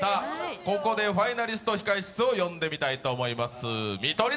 ここでファイナリスト控え室を呼んでみたいと思います。